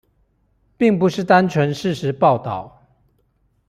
並不是單純事實報導